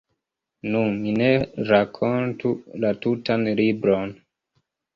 Nu, mi ne rakontu la tutan libron.